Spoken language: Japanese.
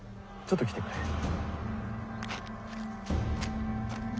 ちょっと来てくれ。